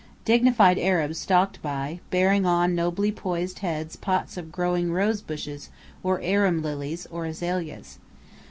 Dignified Arabs stalked by, bearing on nobly poised heads pots of growing rose bushes or arum lilies, or azaleas.